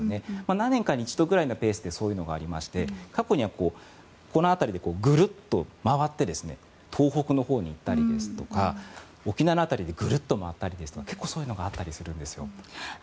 何年かに一度ぐらいのペースでそういうのがありまして過去にはこの辺りでぐるっと回って東北のほうに行ったりですとか沖縄の辺りでぐるっと回ったりとか結構そういうのがあったりするんですよ。